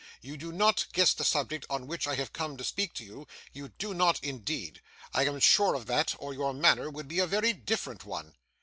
You do not guess the subject on which I come to speak to you; you do not indeed. I am sure of that, or your manner would be a very different one.